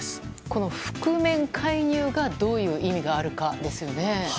この覆面介入がどういう意味があるかですよね。